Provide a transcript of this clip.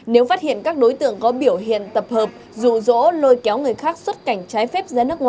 nếu phát hiện các đối tượng có biểu hiện tập hợp rủ rỗ lôi kéo người khác xuất cảnh trái phép